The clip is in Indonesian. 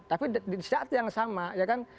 tapi di saat yang sama ya kan